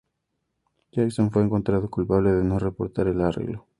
Jackson fue encontrado culpable de no reportar el arreglo.